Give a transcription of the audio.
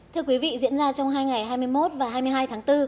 thưa quý vị diễn ra trong hai ngày hai mươi một và hai mươi hai tháng bốn